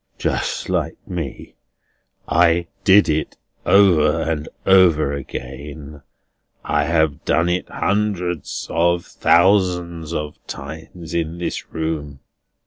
"Just like me! I did it over and over again. I have done it hundreds of thousands of times in this room."